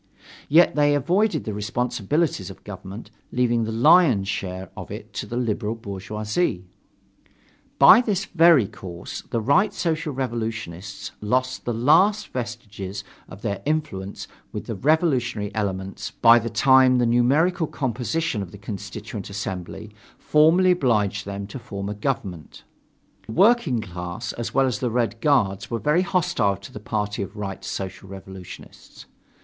Yet, they avoided the responsibilities of government, leaving the lion's share of it to the liberal bourgeoisie. By this very course the Right Social Revolutionists lost the last vestiges of their influence with the revolutionary elements by the time the numerical composition of the Constituent Assembly formally obliged them to form a government. The working class, as well as the Red Guards, were very hostile to the party of Right Social Revolutionists.